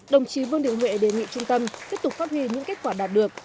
đồng chí vương đình huệ đề nghị trung tâm tiếp tục phát huy những kết quả đạt được